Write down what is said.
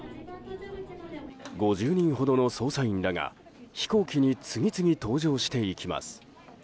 ５０人ほどの捜査員らが飛行機に次々搭乗していきます。